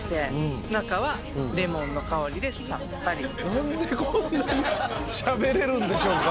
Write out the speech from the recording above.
何でこんなにしゃべれるんでしょうか？